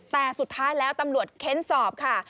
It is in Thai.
แต่สุดท้ายแล้วตำรวจเค้นสอบค่ะ